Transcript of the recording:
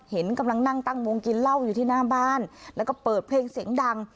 กำลังนั่งตั้งวงกินเหล้าอยู่ที่หน้าบ้านแล้วก็เปิดเพลงเสียงดัง